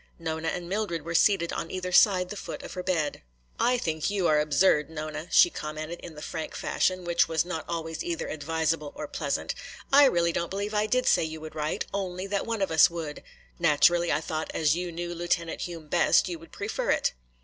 Nona and Mildred were seated on either side the foot of her bed. "I think you are absurd, Nona," she commented, in the frank fashion which was not always either advisable or pleasant. "I really don't believe I did say you would write, only that one of us would. Naturally, I thought as you knew Lieutenant Hume best you would prefer it.